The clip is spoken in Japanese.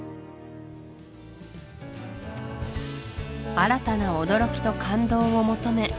新たな驚きと感動を求め